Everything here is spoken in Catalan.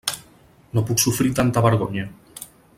No puc sofrir tanta vergonya.